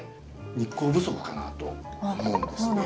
日光不足かなと思うんですね。